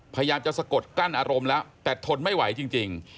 พยายามจะสะกดกั้นอารมณ์แล้วแต่ทนไม่ไหวจริง